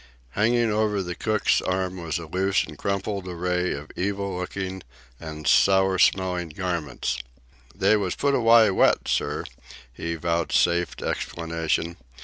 Hanging over the cook's arm was a loose and crumpled array of evil looking and sour smelling garments. "They was put aw'y wet, sir," he vouchsafed explanation.